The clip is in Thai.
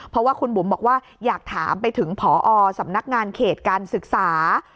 เพราะว่าคุณบุ๋มบอกว่าอยากถามไปถึงพอสำนักงานเขตการศึกษา